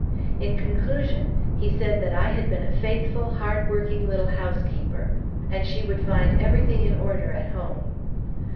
In conclusion he said that I had been a faithful, hard working little housekeeper, and she would find everything in order at home.